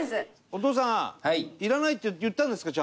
お父さん「いらない」って言ったんですか？